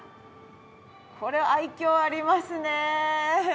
これは愛嬌ありますね。